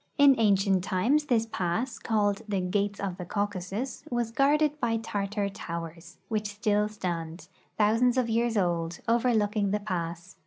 In ancient times this pass, called the " gates of the Caucasus," was guarded by Tartar towers, which still stand, thousands of years old, overlooking the pass.